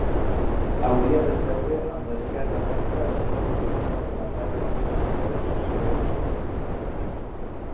Hauria de seure amb l'esquerra recta, els colzes a l'alçada de la taula i amb els peus sobre un suport.